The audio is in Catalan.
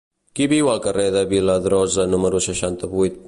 Qui viu al carrer de Viladrosa número seixanta-vuit?